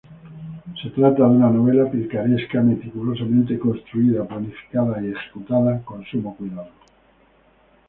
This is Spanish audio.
Se trata de una novela picaresca meticulosamente construida, planificada y ejecutada con sumo cuidado.